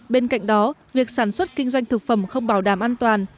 bên cạnh đó việc sản xuất kinh doanh thực phẩm không bảo đảm an toàn